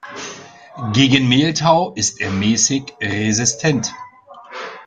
Gegen Mehltau ist er mäßig resistent.